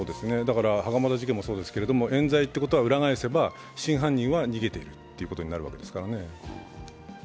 袴田事件もそうですけど、えん罪ということは裏返せば、真犯人は逃げてるってことになるわけですからね。